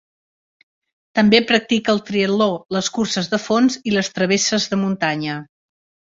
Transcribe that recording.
També practica el triatló, les curses de fons i les travesses de muntanya.